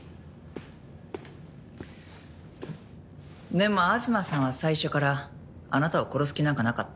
でも東さんは最初からあなたを殺す気なんかなかった。